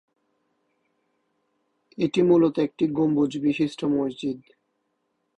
এটি মুলত একটি এক গম্বুজ বিশিষ্ট মসজিদ।